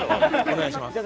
お願いします。